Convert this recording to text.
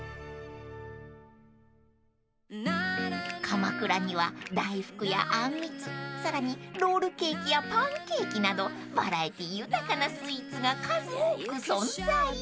［鎌倉には大福やあんみつさらにロールケーキやパンケーキなどバラエティー豊かなスイーツが数多く存在］